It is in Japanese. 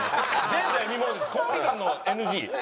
前代未聞ですコンビ間のＮＧ。